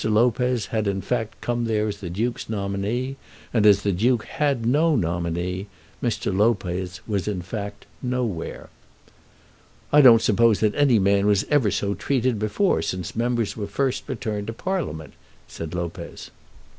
Lopez had in fact come there as the Duke's nominee, and as the Duke had no nominee, Mr. Lopez was in fact "nowhere." "I don't suppose that any man was ever so treated before, since members were first returned to Parliament," said Lopez.